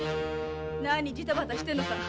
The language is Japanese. なにジタバタしてんのさ。